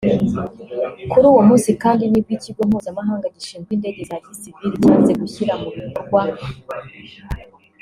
Kuri uwo munsi kandi ni bwo Ikigo Mpuzamahanga gishinzwe indege za gisivili cyanze gushyira mu bikorwa